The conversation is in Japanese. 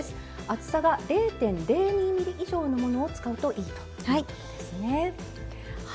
厚さが０．０２ｍｍ以上のものを使うといいということですね。